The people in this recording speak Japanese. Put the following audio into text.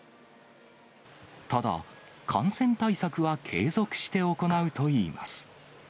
ただ、感染対策は継続して行うといいます。